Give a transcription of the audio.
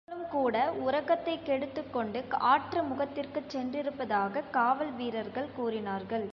அவர்களும் கூட உறக்கத்தைக் கெடுத்துக்கொண்டு ஆற்று முகத்திற்குச் சென்றிருப்பதாகக் காவல் வீரர்கள் கூறினார்கள்.